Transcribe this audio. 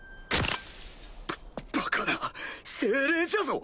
ババカな精霊じゃぞ？